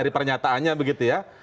dari pernyataannya begitu ya